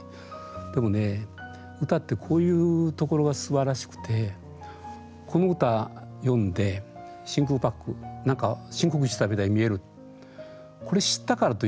でもね歌ってこういうところがすばらしくてこの歌読んで真空パック何か深呼吸したみたいに見える。